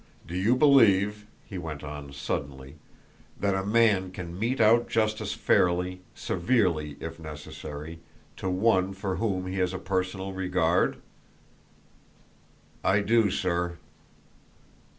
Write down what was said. Do you believe," he went on suddenly, "that a man can mete out justice fairly, severely if necessary, to one for whom he has a personal regard?" "I do, sir."